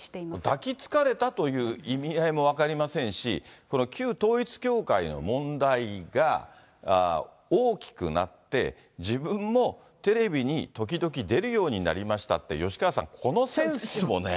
抱きつかれたという意味合いも分かりませんし、この旧統一教会の問題が、大きくなって、自分もテレビに時々、出るようになりましたって、吉川さん、このセンスもね。